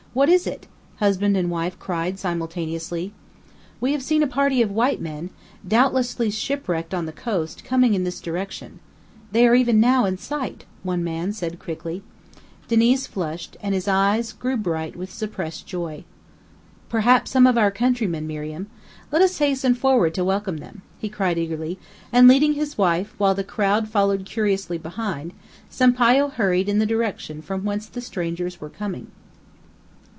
What is it?" husband and wife cried simultaneously. "We have seen a party of white men, doubtlessly shipwrecked on the coast, coming in this direction. They are even now in sight," one man said quickly. Diniz flushed, and his eyes grew bright with suppressed joy. "Perhaps some of our countrymen, Miriam. Let us hasten forward to welcome them," he cried eagerly; and leading his wife, while the crowd followed curiously behind, Sampayo hurried in the direction from whence the strangers were coming.